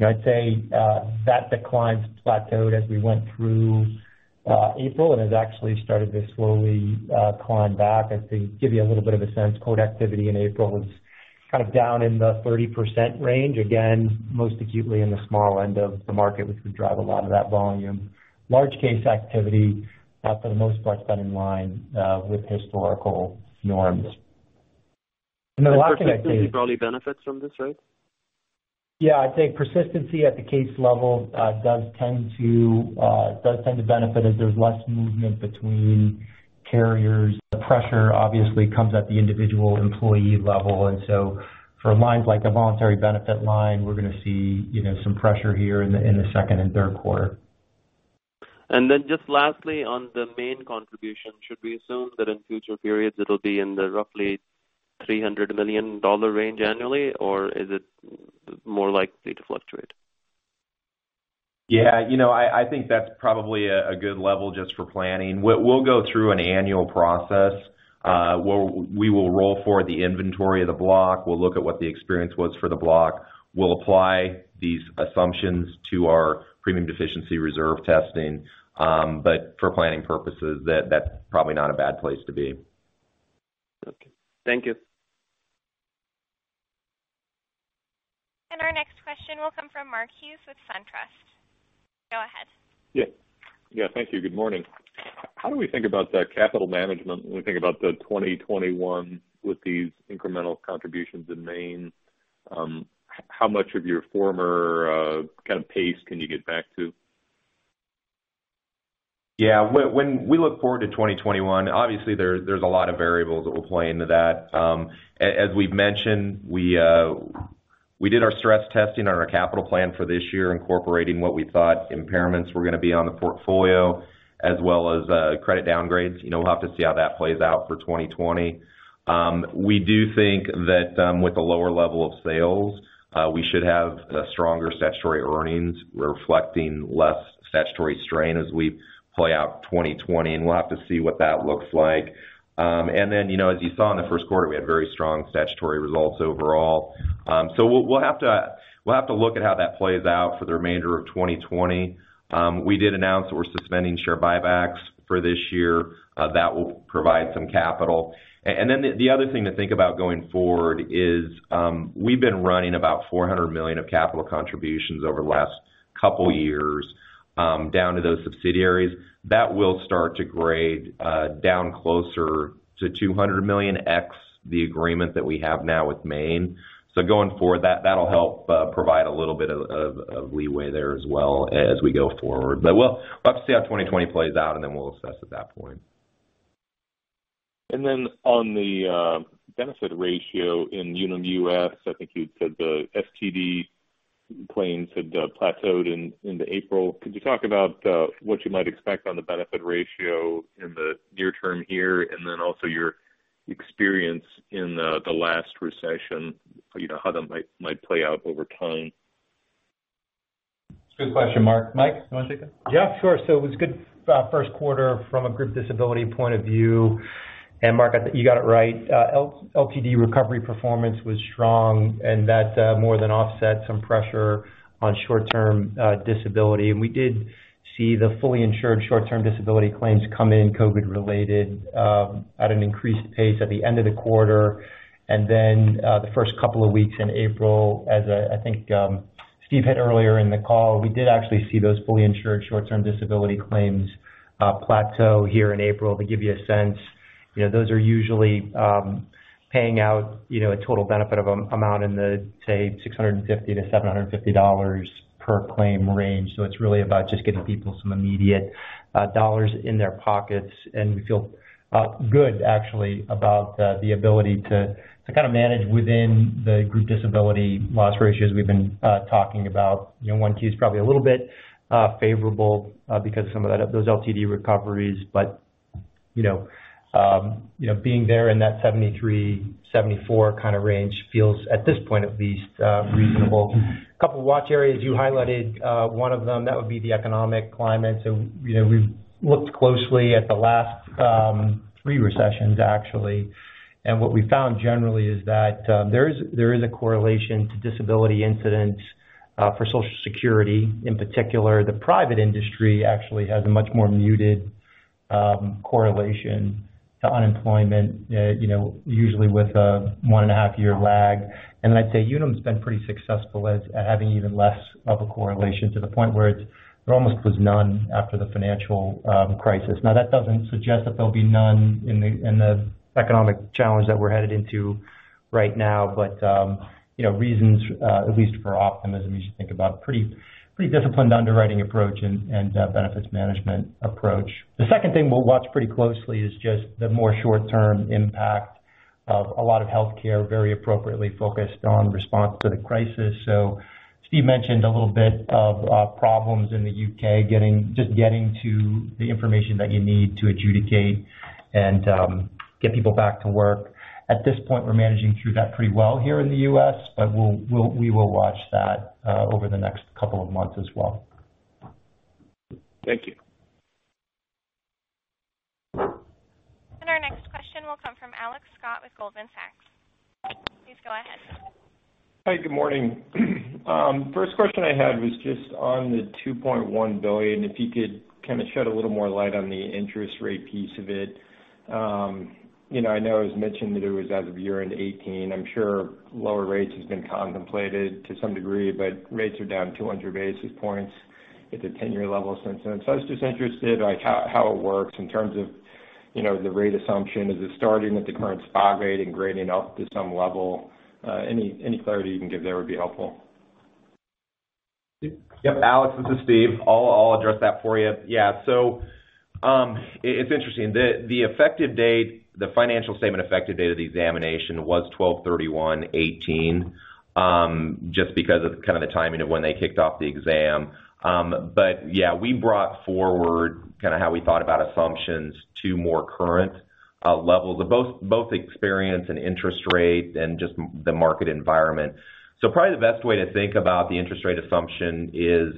I'd say that decline's plateaued as we went through April and has actually started to slowly climb back. I think to give you a little bit of a sense, quote activity in April was kind of down in the 30% range, again, most acutely in the small end of the market, which would drive a lot of that volume. Large case activity for the most part has been in line with historical norms. The last thing I'd say. Persistency probably benefits from this, right? I'd say persistency at the case level does tend to benefit as there's less movement between carriers. The pressure obviously comes at the individual employee level. For lines like the Voluntary Benefit line, we're going to see some pressure here in the second and third quarter. Just lastly on the Maine contribution, should we assume that in future periods it'll be in the roughly $300 million range annually, or is it more likely to fluctuate? Yeah. I think that's probably a good level just for planning. We'll go through an annual process where we will roll forward the inventory of the block. We'll look at what the experience was for the block. We'll apply these assumptions to our premium deficiency reserve testing. For planning purposes, that's probably not a bad place to be. Okay. Thank you. Our next question will come from Mark Hughes with SunTrust. Go ahead. Yeah. Thank you. Good morning. How do we think about the capital management when we think about 2021 with these incremental contributions in Maine? How much of your former kind of pace can you get back to? Yeah. When we look forward to 2021, obviously there's a lot of variables that will play into that. As we've mentioned, we did our stress testing on our capital plan for this year, incorporating what we thought impairments were going to be on the portfolio as well as credit downgrades. We'll have to see how that plays out for 2020. We do think that with a lower level of sales, we should have stronger statutory earnings reflecting less statutory strain as we play out 2020, and we'll have to see what that looks like. As you saw in the first quarter, we had very strong statutory results overall. We'll have to look at how that plays out for the remainder of 2020. We did announce that we're suspending share buybacks for this year. That will provide some capital. The other thing to think about going forward is, we've been running about $400 million of capital contributions over the last couple years down to those subsidiaries. That will start to grade down closer to $200 million, ex the agreement that we have now with Maine. Going forward, that'll help provide a little bit of leeway there as well as we go forward. We'll have to see how 2020 plays out, and then we'll assess at that point. On the benefit ratio in Unum US, I think you said the STD claims had plateaued into April. Could you talk about what you might expect on the benefit ratio in the near term here, and then also your experience in the last recession, how that might play out over time? Good question, Mark. Mike, you want to take it? Yeah, sure. It was a good first quarter from a group disability point of view. Mark, you got it right. LTD recovery performance was strong, and that more than offset some pressure on short-term disability. We did see the fully insured short-term disability claims come in COVID-related at an increased pace at the end of the quarter. The first couple of weeks in April, as I think Steve hit earlier in the call, we did actually see those fully insured short-term disability claims plateau here in April. To give you a sense, those are usually paying out a total benefit amount in the, say, $650-$750 per claim range. It's really about just getting people some immediate dollars in their pockets. We feel good, actually, about the ability to manage within the group disability loss ratios we've been talking about. 1Q is probably a little bit favorable because some of those LTD recoveries, being there in that 73, 74 kind of range feels, at this point at least, reasonable. A couple watch areas, you highlighted one of them, that would be the economic climate. We've looked closely at the last three recessions, actually. What we found generally is that there is a correlation to disability incidents for Social Security in particular. The private industry actually has a much more muted correlation to unemployment, usually with a one-and-a-half-year lag. I'd say Unum's been pretty successful at having even less of a correlation to the point where there almost was none after the financial crisis. That doesn't suggest that there'll be none in the economic challenge that we're headed into right now, reasons at least for optimism, you should think about pretty disciplined underwriting approach and benefits management approach. The second thing we'll watch pretty closely is just the more short-term impact of a lot of healthcare very appropriately focused on response to the crisis. Steve mentioned a little bit of problems in the U.K. just getting to the information that you need to adjudicate and get people back to work. At this point, we're managing through that pretty well here in the U.S., we will watch that over the next couple of months as well. Thank you. Our next question will come from Alex Scott with Goldman Sachs. Please go ahead. Hi, good morning. First question I had was just on the $2.1 billion, if you could kind of shed a little more light on the interest rate piece of it. I know it was mentioned that it was as of year-end 2018. I'm sure lower rates has been contemplated to some degree, but rates are down 200 basis points at the 10-year level since then. I was just interested, like how it works in terms of the rate assumption. Is it starting at the current spot rate and grading up to some level? Any clarity you can give there would be helpful. Yep, Alex, this is Steve. I'll address that for you. It's interesting. The financial statement effective date of the examination was 12/31/2018, just because of kind of the timing of when they kicked off the exam. We brought forward kind of how we thought about assumptions to more current levels, both experience and interest rate, and just the market environment. Probably the best way to think about the interest rate assumption is,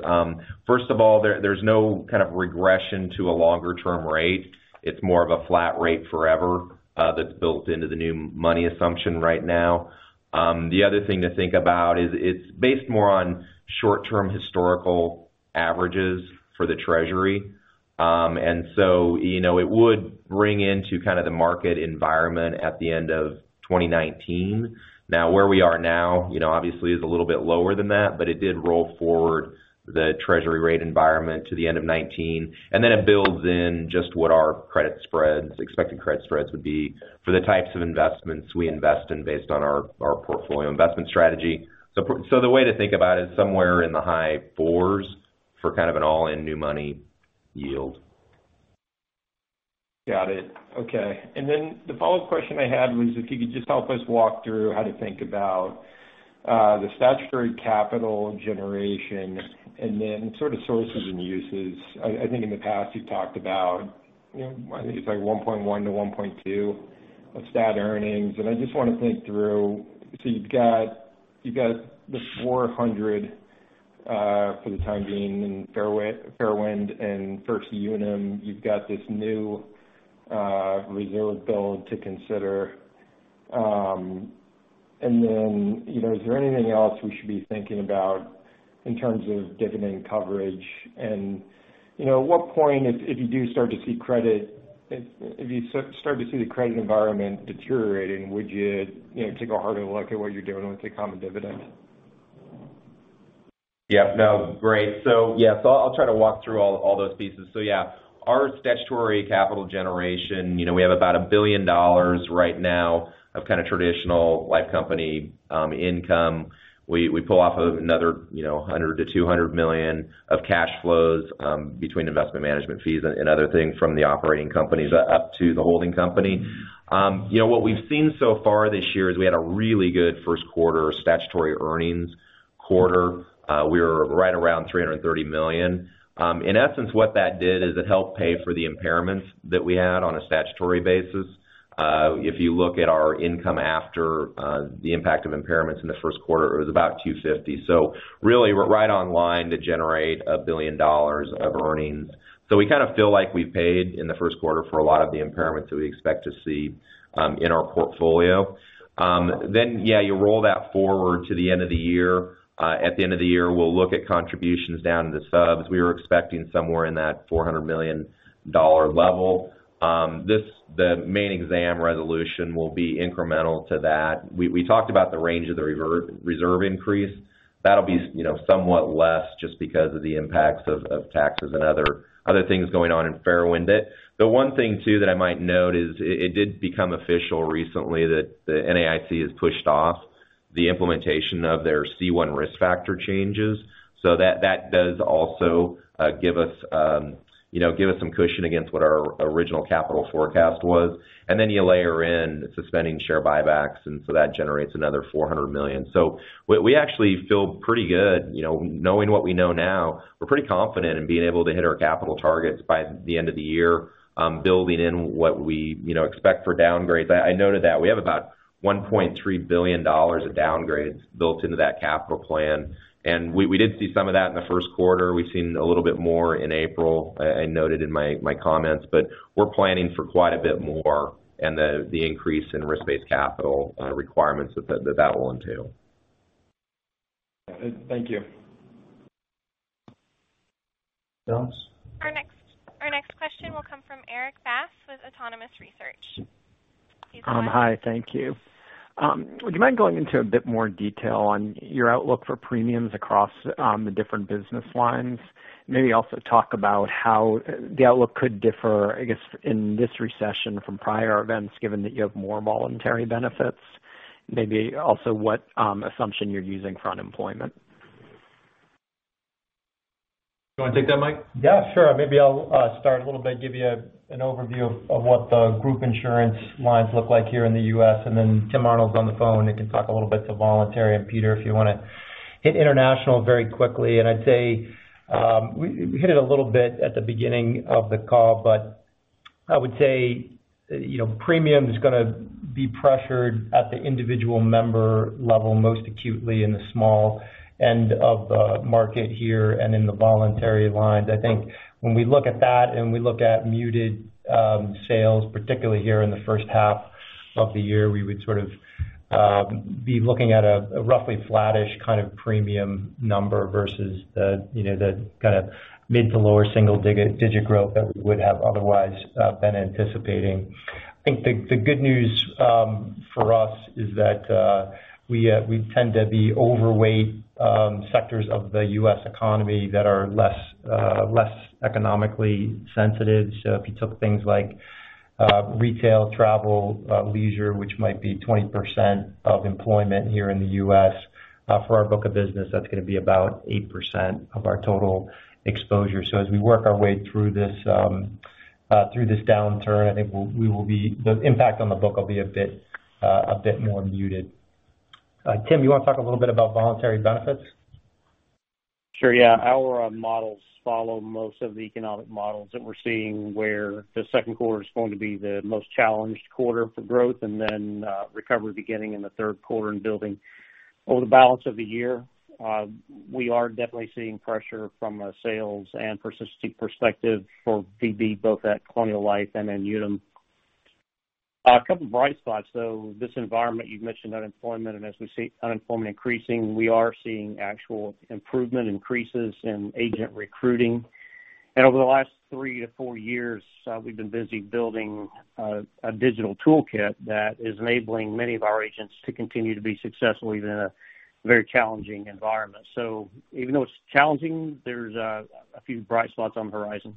first of all, there's no kind of regression to a longer-term rate. It's more of a flat rate forever that's built into the new money assumption right now. The other thing to think about is it's based more on short-term historical averages for the Treasury. It would bring into kind of the market environment at the end of 2019. Where we are now obviously is a little bit lower than that, it did roll forward the Treasury rate environment to the end of 2019. It builds in just what our expected credit spreads would be for the types of investments we invest in based on our portfolio investment strategy. The way to think about it is somewhere in the high fours for kind of an all-in new money yield. Got it. Okay. The follow-up question I had was if you could just help us walk through how to think about the statutory capital generation and then sources and uses. I think in the past you've talked about, I think it's like 1.1 to 1.2 of stat earnings. I just want to think through, you've got the $400 for the time being in Fairwind and First Unum, you've got this new reserve build to consider. Is there anything else we should be thinking about in terms of dividend coverage? At what point, if you do start to see the credit environment deteriorating, would you take a harder look at what you're doing with the common dividend? Yeah. No, great. I'll try to walk through all those pieces. Our statutory capital generation, we have about $1 billion right now of kind of traditional life company income. We pull off another $100 million-$200 million of cash flows between investment management fees and other things from the operating companies up to the holding company. What we've seen so far this year is we had a really good first quarter statutory earnings quarter. We were right around $330 million. In essence, what that did is it helped pay for the impairments that we had on a statutory basis. If you look at our income after the impact of impairments in the first quarter, it was about $250. Really, we're right online to generate $1 billion of earnings. We kind of feel like we've paid in the first quarter for a lot of the impairments that we expect to see in our portfolio. Yeah, you roll that forward to the end of the year. At the end of the year, we'll look at contributions down to the subs. We were expecting somewhere in that $400 million level. The Maine exam resolution will be incremental to that. We talked about the range of the reserve increase. That'll be somewhat less just because of the impacts of taxes and other things going on in Fairwind. The one thing too that I might note is it did become official recently that the NAIC has pushed off the implementation of their C1 risk factor changes. That does also give us some cushion against what our original capital forecast was. You layer in suspending share buybacks, that generates another $400 million. We actually feel pretty good. Knowing what we know now, we're pretty confident in being able to hit our capital targets by the end of the year, building in what we expect for downgrades. I noted that we have about $1.3 billion of downgrades built into that capital plan, and we did see some of that in the first quarter. We've seen a little bit more in April, I noted in my comments, we're planning for quite a bit more and the increase in risk-based capital requirements that will entail. Thank you. Jones? Our next question will come from Erik Bass with Autonomous Research. Hi. Thank you. Would you mind going into a bit more detail on your outlook for premiums across the different business lines? Maybe also talk about how the outlook could differ, I guess, in this recession from prior events, given that you have more voluntary benefits. Maybe also what assumption you're using for unemployment. You want to take that, Mike? Yeah, sure. Maybe I'll start a little bit, give you an overview of what the group insurance lines look like here in the U.S., then Tim Arnold's on the phone and can talk a little bit to voluntary, Peter, if you want to hit international very quickly. I'd say, we hit it a little bit at the beginning of the call, but I would say premium's going to be pressured at the individual member level most acutely in the small end of the market here and in the voluntary lines. I think when we look at that and we look at muted sales, particularly here in the first half of the year, we would sort of be looking at a roughly flattish kind of premium number versus the kind of mid-to-lower single-digit growth that we would have otherwise been anticipating. I think the good news for us is that we tend to be overweight sectors of the U.S. economy that are less economically sensitive. If you took things like retail, travel, leisure, which might be 20% of employment here in the U.S., for our book of business, that's going to be about 8% of our total exposure. As we work our way through this downturn, I think the impact on the book will be a bit more muted. Tim, you want to talk a little bit about Voluntary Benefits? Sure. Yeah. Our models follow most of the economic models that we're seeing where the second quarter is going to be the most challenged quarter for growth, then recovery beginning in the third quarter and building over the balance of the year. We are definitely seeing pressure from a sales and persistive perspective for VB, both at Colonial Life and then Unum. A couple of bright spots, though, this environment you've mentioned unemployment, as we see unemployment increasing, we are seeing actual improvement increases in agent recruiting. Over the last three to four years, we've been busy building a digital toolkit that is enabling many of our agents to continue to be successful even in a very challenging environment. Even though it's challenging, there's a few bright spots on the horizon.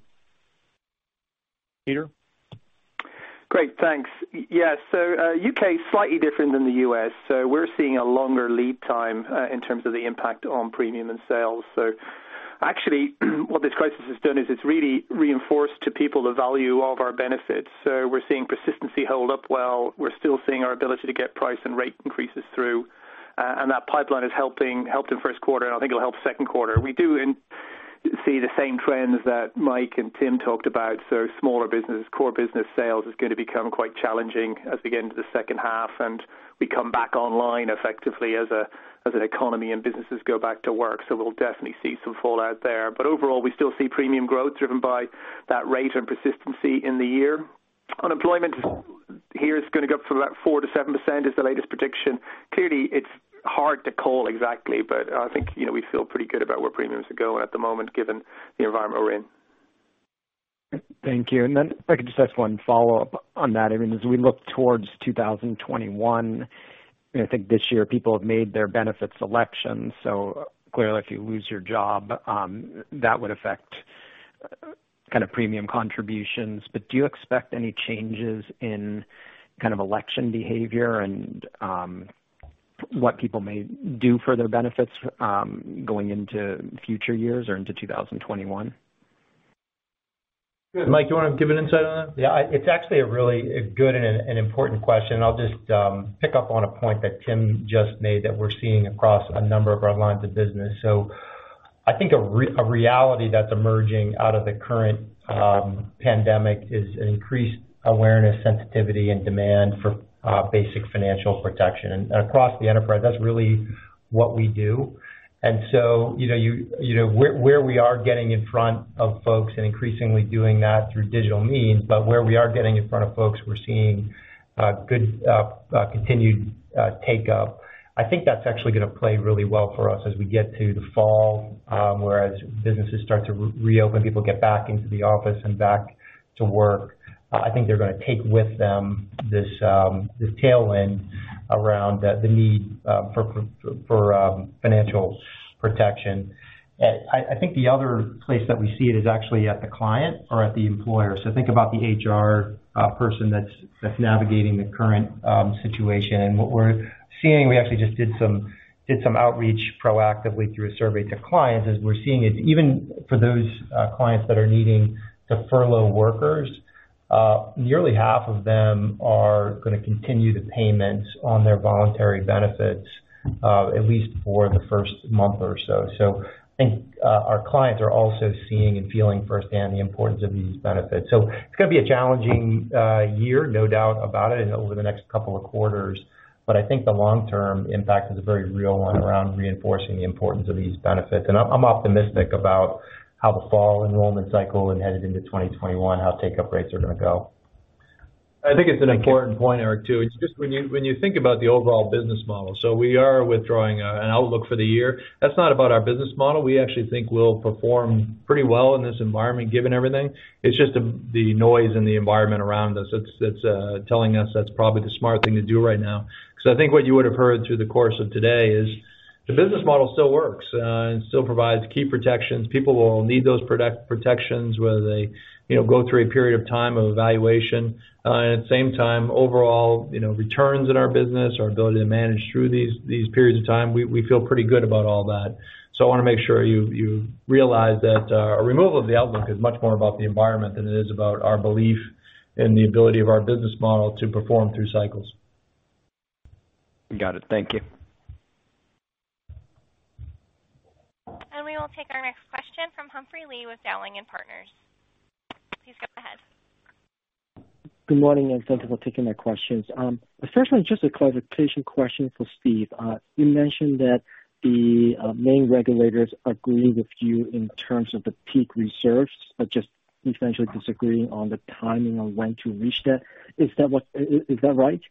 Peter? Great. Thanks. Yeah. The U.K. is slightly different than the U.S., we're seeing a longer lead time in terms of the impact on premium and sales. What this crisis has done is it's really reinforced to people the value of our benefits. We're seeing persistency hold up well. We're still seeing our ability to get price and rate increases through. That pipeline has helped in first quarter, and I think it'll help second quarter. We do see the same trends that Mike and Tim talked about. Smaller business, core business sales is going to become quite challenging as we get into the second half and we come back online effectively as an economy and businesses go back to work. We'll definitely see some fallout there. Overall, we still see premium growth driven by that rate and persistency in the year. Unemployment here is going to go up to about 4%-7%, is the latest prediction. Clearly, it's hard to call exactly, but I think we feel pretty good about where premiums are going at the moment, given the environment we're in. Thank you. If I could just ask one follow-up on that. As we look towards 2021, I think this year people have made their benefit selections, clearly if you lose your job, that would affect kind of premium contributions. Do you expect any changes in kind of election behavior and what people may do for their benefits going into future years or into 2021? Mike, do you want to give an insight on that? Yeah. It's actually a really good and an important question, and I'll just pick up on a point that Tim just made that we're seeing across a number of our lines of business. I think a reality that's emerging out of the current pandemic is an increased awareness, sensitivity, and demand for basic financial protection. Across the enterprise, that's really what we do. Where we are getting in front of folks and increasingly doing that through digital means, but where we are getting in front of folks, we're seeing good continued take-up. I think that's actually going to play really well for us as we get to the fall, whereas businesses start to reopen, people get back into the office and back to work. I think they're going to take with them this tailwind around the need for financial protection. I think the other place that we see it is actually at the client or at the employer. Think about the HR person that's navigating the current situation, and what we're seeing, we actually just did some outreach proactively through a survey to clients, is we're seeing is even for those clients that are needing to furlough workers, nearly half of them are going to continue the payments on their voluntary benefits, at least for the first month or so. I think our clients are also seeing and feeling firsthand the importance of these benefits. It's going to be a challenging year, no doubt about it, and over the next couple of quarters. I think the long-term impact is a very real one around reinforcing the importance of these benefits. I'm optimistic about how the fall enrollment cycle and headed into 2021, how take-up rates are going to go. I think it's an important point, Erik, too. It's just when you think about the overall business model, so we are withdrawing an outlook for the year. That's not about our business model. We actually think we'll perform pretty well in this environment, given everything. It's just the noise and the environment around us that's telling us that's probably the smart thing to do right now. I think what you would have heard through the course of today is the business model still works and still provides key protections. People will need those protections whether they go through a period of time of evaluation. At the same time, overall returns in our business, our ability to manage through these periods of time, we feel pretty good about all that. I want to make sure you realize that our removal of the outlook is much more about the environment than it is about our belief in the ability of our business model to perform through cycles. Got it. Thank you. We will take our next question from Humphrey Lee with Dowling & Partners. Please go ahead. Good morning, thanks for taking their questions. The first one is just a clarification question for Steve. You mentioned that the Maine regulators agree with you in terms of the peak reserves, but just essentially disagreeing on the timing on when to reach that. Is that right?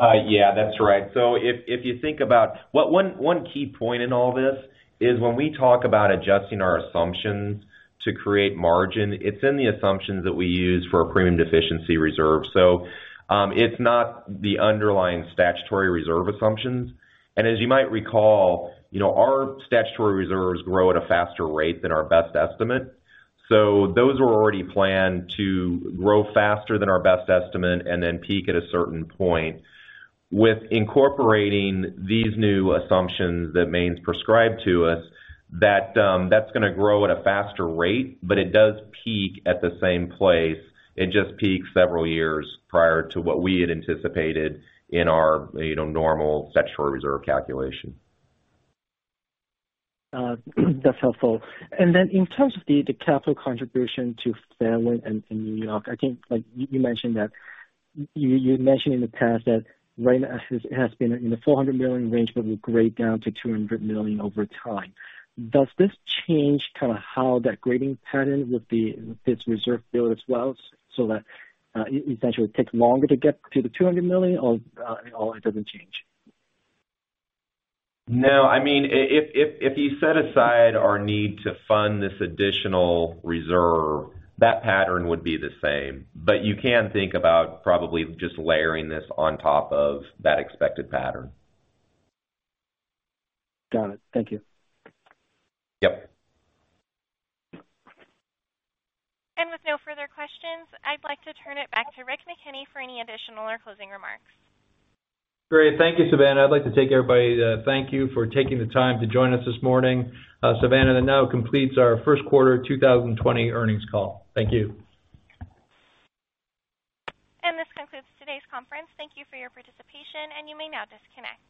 Yeah, that's right. If you think about, one key point in all this is when we talk about adjusting our assumptions to create margin, it's in the assumptions that we use for a premium deficiency reserve. It's not the underlying statutory reserve assumptions. As you might recall, our statutory reserves grow at a faster rate than our best estimate. Those were already planned to grow faster than our best estimate and then peak at a certain point. With incorporating these new assumptions that Maine's prescribed to us, that's going to grow at a faster rate, but it does peak at the same place. It just peaks several years prior to what we had anticipated in our normal statutory reserve calculation. That's helpful. Then in terms of the capital contribution to Fairwind and in New York, I think you mentioned in the past that right now it has been in the $400 million range, but will grade down to $200 million over time. Does this change kind of how that grading pattern with the reserve build as well, so that essentially it takes longer to get to the $200 million or it doesn't change? No, if you set aside our need to fund this additional reserve, that pattern would be the same. You can think about probably just layering this on top of that expected pattern. Got it. Thank you. Yep. With no further questions, I'd like to turn it back to Rick McKenney for any additional or closing remarks. Great. Thank you, Savannah. I'd like to thank everybody for taking the time to join us this morning. Savannah, that now completes our first quarter 2020 earnings call. Thank you. This concludes today's conference. Thank you for your participation, and you may now disconnect.